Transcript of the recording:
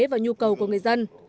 và nhu cầu của người dân